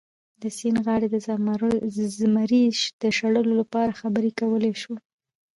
د سیند غاړې د زمري د شړلو لپاره خبرې کولی شو.